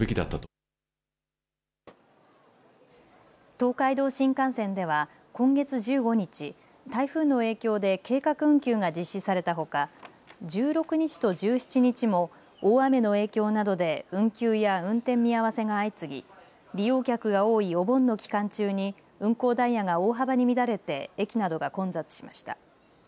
東海道新幹線では今月１５日台風の影響で計画運休が実施されたほか１６日と１７日も大雨の影響などで運休や運転見合わせが相次ぎ利用客が多いお盆の期間中に運行ダイヤが大幅に乱れて駅などが混雑しました。